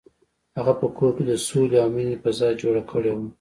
هغه په کور کې د سولې او مینې فضا جوړه کړې وه.